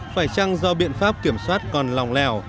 phải chăng do biện pháp kiểm soát còn lòng lẻo